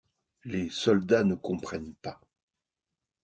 Les soldats ne comprennent pas.